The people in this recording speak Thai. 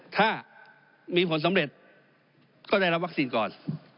ถ้ามีผลสำเร็จก็ได้รับวัคซีนก่อน